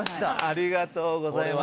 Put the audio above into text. ありがとうございます。